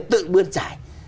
tự bươn trải